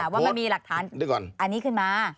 ว่ามันมีหลักฐานอันนี้ขึ้นมา